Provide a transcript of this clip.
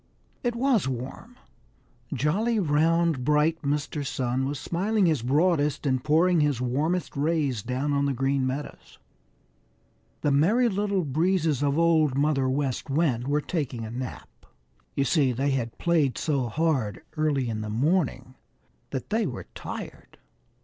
It was warm. Jolly, round, bright Mr. Sun was smiling his broadest and pouring his warmest rays down on the Green Meadows. The Merry Little Breezes of Old Mother West Wind were taking a nap. You see, they had played so hard early in the morning that they were tired.